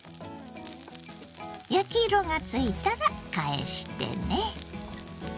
焼き色がついたら返してね。